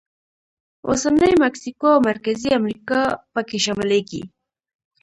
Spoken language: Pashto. اوسنۍ مکسیکو او مرکزي امریکا پکې شاملېږي.